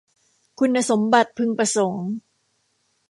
คุณสมบัติพึงประสงค์